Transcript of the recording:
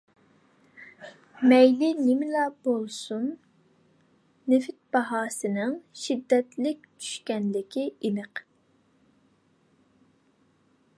مەيلى نېمىلا بولمىسۇن، نېفىت باھاسىنىڭ شىددەتلىك چۈشكەنلىكى ئېنىق.